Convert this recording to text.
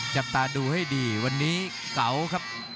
จับตาดูให้ดีวันนี้เก่าครับ